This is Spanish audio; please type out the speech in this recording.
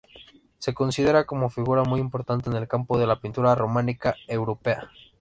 Se considera como figura muy importante en el campo de la pintura románica europea.